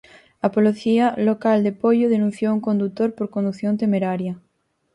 A Policía Local de Poio denunciou un condutor por condución temeraria.